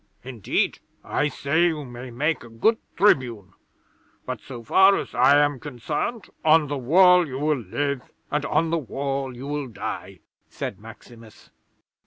Indeed, I say you may make a good Tribune, but, so far as I am concerned, on the Wall you will live, and on the Wall you will die," said Maximus.